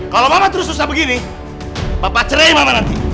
kalau mama terus susah begini papa cerai mana nanti